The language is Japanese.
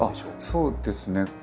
そうですね。